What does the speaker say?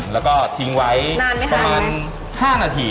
แล้วก็ทิ้งไว้ประมาณ๕นาที